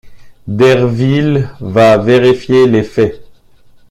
Derville va vérifier les faits.